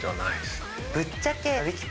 ぶっちゃけ。